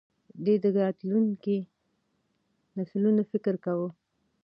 ده د راتلونکو نسلونو فکر کاوه.